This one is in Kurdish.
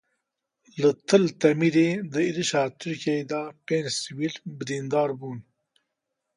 Li Til Temirê di êrişa Tirkiyeyê de pênc sivîl birîndar bûn.